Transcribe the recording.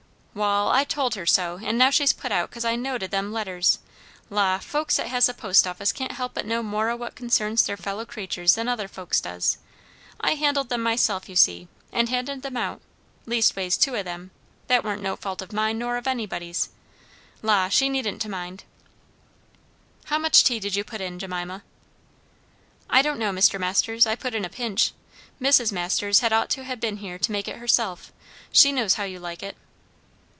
"Wall, I told her so; and now she's put out 'cause I knowed o' them letters. La, folks that has the post office can't help but know more o' what concerns their fellow creatures than other folks doos. I handled them myself, you see, and handed them out; leastways two o' them; that warn't no fault o' mine nor of anybody's. La, she needn't to mind!" "How much tea did you put in, Jemima?" "I don't know, Mr. Masters. I put in a pinch. Mrs. Masters had ought to ha' been here to make it herself. She knows how you like it."